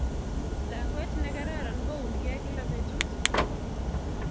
lakwet negararan kouunige kila betut